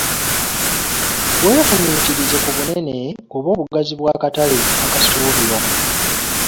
Weefumitirize ku bunene/obugazi bw’akatale akasuubirwa.